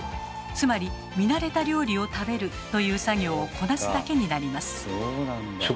つまり見慣れた料理を食べるという作業をこなすだけになります。